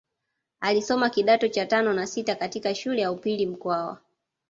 Alisoma kidato cha tano na sita katika shule ya upili mkwawa